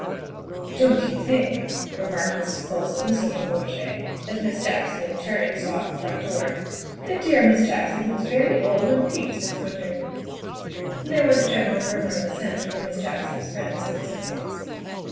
" Don't you think," remarked Mrs. Colson sotto voce as Miss Jackson in turn sought the front door, " that dear Miss Jackson looks very old and peaked this win ter?" And there was a general murmur of assent from Miss Jackson's friends and associates.